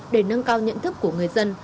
để nâng cao nhận thức của người dân